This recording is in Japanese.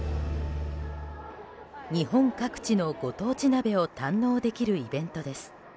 日本各地のご当地鍋を堪能できるイベントです。